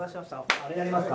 あれやりますか？